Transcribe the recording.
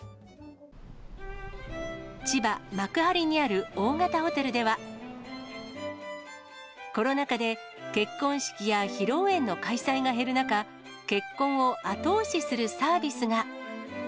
千葉・幕張にある大型ホテルでは、コロナ禍で結婚式や披露宴の開催が減る中、結婚を後押しするサービスが。